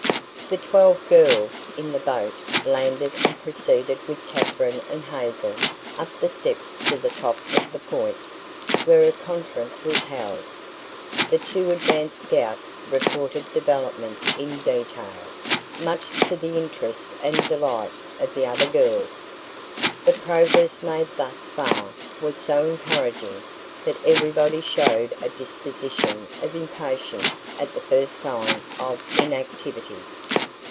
The twelve girls in the boat landed and proceeded with Katherine and Hazel up the steps to the top of the Point, where a conference was held. The two advance scouts reported developments in detail, much to the interest and delight of the other girls. The progress made thus far was so encouraging that everybody showed a disposition of impatience at the first sign of inactivity.